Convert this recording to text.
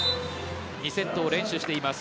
２セットを連取しています。